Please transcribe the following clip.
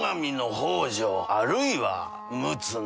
あるいは陸奥の。